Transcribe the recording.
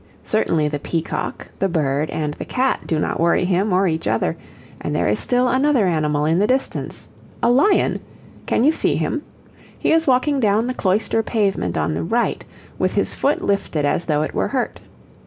Certainly the peacock, the bird, and the cat do not worry him or each other, and there is still another animal in the distance a lion! Can you see him? He is walking down the cloister pavement on the right, with his foot lifted as though it were hurt.